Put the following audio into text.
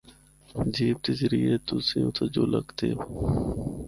جیپ دے ذریعے تُسیں اُتھا جُل ہکدے او۔